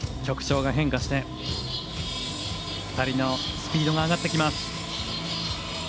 曲調が変化して２人のスピードが上がってきます。